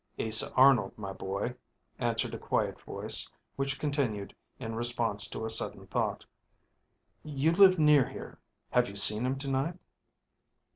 "Asa Arnold, my boy," answered a quiet voice, which continued, in response to a sudden thought, "You live near here; have you seen him to night?"